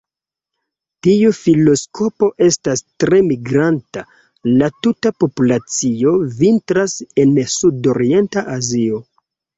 Tiu filoskopo estas tre migranta; la tuta populacio vintras en sudorienta Azio.